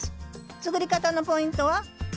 作り方のポイントは？